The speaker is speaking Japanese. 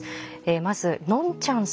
まずのんちゃんさん